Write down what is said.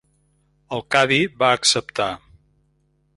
El cadi va acceptar.